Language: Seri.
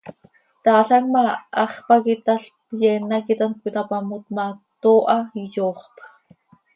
Taalam ma, hax pac italp, yeen hac it hant cöitapamot ma, tooha, iyooxpx.